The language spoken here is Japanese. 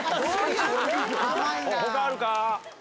他あるか？